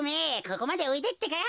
ここまでおいでってか。